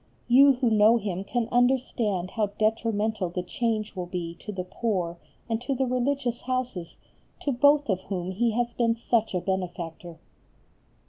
You who know him can understand how detrimental the change will be to the poor and to the religious Houses, to both of whom he has been such a benefactor.